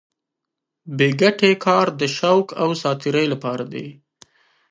بې ګټې کار د شوق او ساتېرۍ لپاره دی.